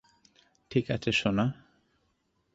ঠিক আছে, সোনা?